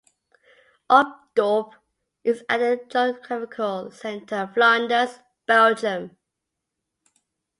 Opdorp is at the geographical centre of Flanders, Belgium.